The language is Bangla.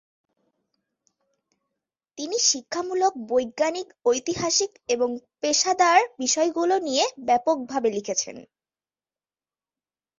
তিনি শিক্ষামূলক, বৈজ্ঞানিক, ঐতিহাসিক এবং পেশাদার বিষয়গুলি নিয়ে ব্যাপকভাবে লিখেছিলেন।